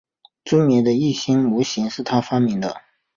著名的易辛模型是他发明的。